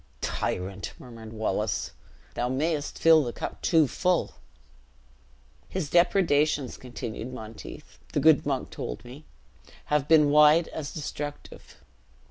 "Tyrant!" murmured Wallace, "thou mayest fill the cup too full." "His depredations," continued Monteith, "the good monk told me, have been wide as destructive.